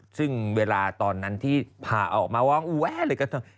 ซึ่งเวลาตอนนั้นที่ผ่าออกมาว่าแวะเลยก็